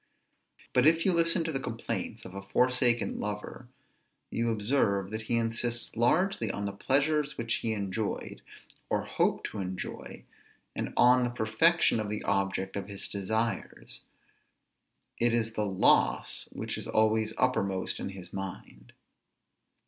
But if you listen to the complaints of a forsaken lover, you observe that he insists largely on the pleasures which he enjoyed, or hoped to enjoy, and on the perfection of the object of his desires; it is the loss which is always uppermost in his mind.